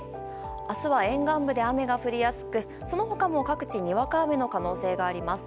明日は沿岸部で雨が降りやすくその他も各地にわか雨の可能性があります。